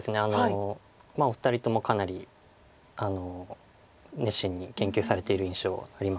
お二人ともかなり熱心に研究されている印象はあります。